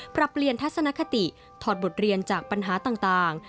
ปรับเปลี่ยนทัศนคติถอดบทเรียนจากปัญหาต่าง